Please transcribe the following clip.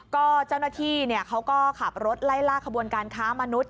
ก็เจ้าหน้าที่เขาก็ขับรถไล่ล่าขบวนการค้ามนุษย